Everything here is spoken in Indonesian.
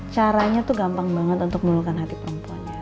caranya tuh gampang banget untuk melakukan hati perempuan ya